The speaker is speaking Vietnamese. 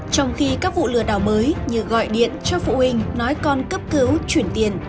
trong khi các vụ lừa đảo mới như gọi điện cho phụ huynh nói con cấp cứu chuyển tiền